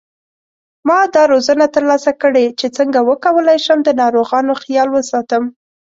ما دا روزنه تر لاسه کړې چې څنګه وکولای شم د ناروغانو خیال وساتم